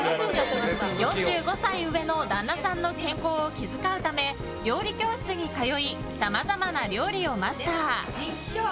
４５歳上の旦那さんの健康を気遣うため料理教室に通いさまざまな料理をマスター。